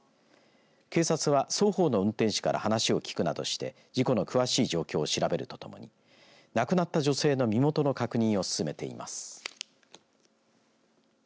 警察は双方の運転手から話を聞くなどして事故の詳しい状況を調べるとともに亡くなった女性の身元の確認を進めています。